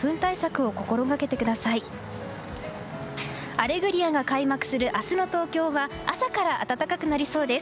「アレグリア」が開幕する明日の東京は朝から暖かくなりそうです。